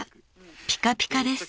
［ピカピカです］